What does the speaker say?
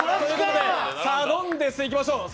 サドンデス、いきましょう。